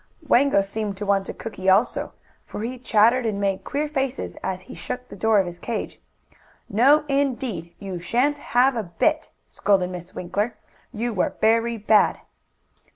Wango seemed to want a cookie also, for he chattered and made queer faces as he shook the door of his cage. "No, indeed! You sha'n't have a bit!" scolded Miss Winkler. "You were very bad."